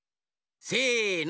せの。